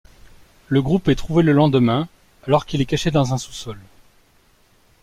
Le groupe est trouvé le lendemain, alors qu'il est caché dans un sous-sol.